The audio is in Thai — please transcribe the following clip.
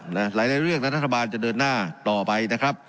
หลายเรื่องนาธารบาลจะเดินหน้าต่อไป